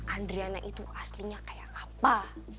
andriana itu aslinya kayak apa